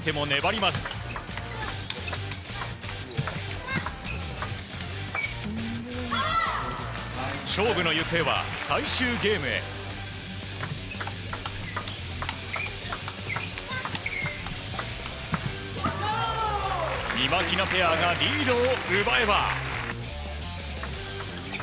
みまひなペアがリードを奪えば。